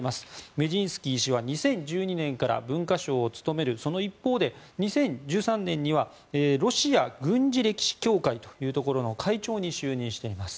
メジンスキー氏は２０１２年から文化相を務めるその一方で２０１３年にはロシア軍事歴史協会というとこの会長に就任しています。